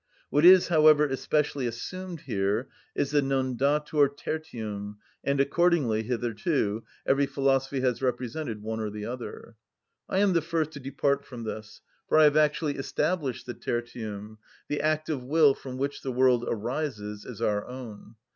What is, however, especially assumed here is the non datur tertium, and accordingly hitherto every philosophy has represented one or the other. I am the first to depart from this; for I have actually established the Tertium: the act of will from which the world arises is our own.